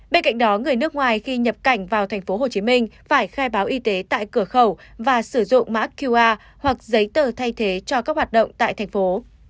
bên cạnh đó người nước ngoài khi nhập cảnh vào tp hcm phải khai báo y tế tại cửa khẩu và sử dụng mã qr hoặc giấy tờ thay thế cho các hoạt động tại thành phố